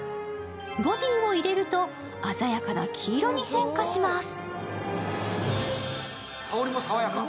ボディを入れると鮮やかな黄色に変化します。